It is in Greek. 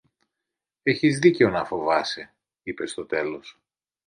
Είχες δίκαιο να φοβάσαι, είπε στο τέλος